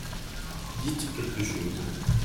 dites quelque chose.